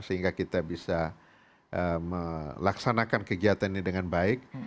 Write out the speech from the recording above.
sehingga kita bisa melaksanakan kegiatan ini dengan baik